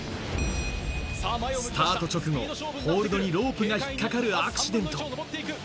スタート直後、ホールドにロープが引っ掛かるアクシデント。